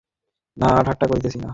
না, ঠাট্টা করিতেছি না।